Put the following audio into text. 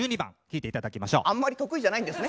あんまり得意じゃないんですね。